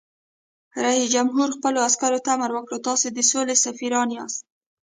رئیس جمهور خپلو عسکرو ته امر وکړ؛ تاسو د سولې سفیران یاست!